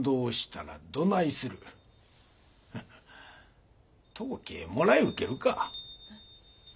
はは当家へもらい受けるか？